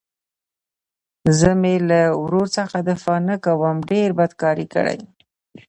زه مې له ورور څخه دفاع نه کوم ډېر بد کار يې کړى.